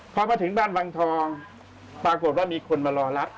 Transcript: พอมาถึงบ้านวังทองปรากฏว่ามีคนมารอรับ